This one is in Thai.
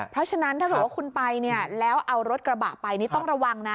เพราะฉะนั้นถ้าบอกว่าคุณไปแล้วเอารถกระบะไปต้องระวังนะ